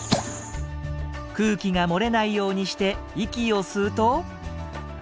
空気が漏れないようにして息を吸うと。